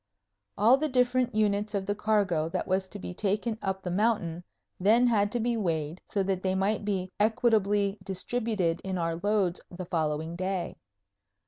All the different units of the cargo that was to be taken up the mountain then had to be weighed, so that they might be equitably distributed in our loads the following day.